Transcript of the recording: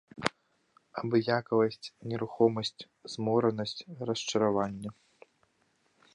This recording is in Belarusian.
Абыякавасць, нерухомасць, зморанасць, расчараванне.